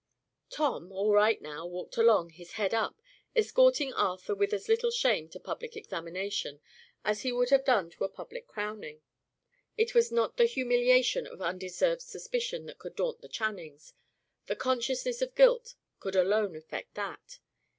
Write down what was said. Tom, all right now, walked along, his head up, escorting Arthur with as little shame to public examination, as he would have done to a public crowning. It was not the humiliation of undeserved suspicion that could daunt the Channings: the consciousness of guilt could alone effect that.